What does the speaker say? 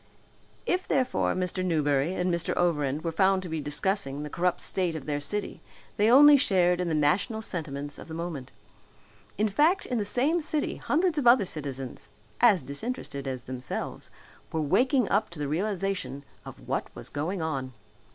If therefore Mr. Newberry and Mr. Overend were found to be discussing the corrupt state of their city they only shared in the national sentiments of the moment. In fact in the same city hundreds of other citizens, as disinterested as themselves, were waking up to the realization of what was going on.